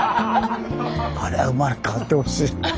あれは生まれ変わってほしい。